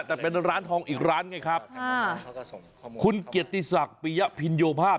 แต่เป็นร้านทองอีกร้านไงครับคุณเกียรติศักดิ์ปียะพินโยภาพ